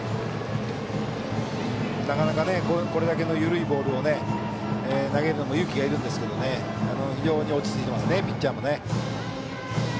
なかなかこれだけの緩いボールを投げるのも勇気がいるんですけど非常に落ち着いていますピッチャーもね。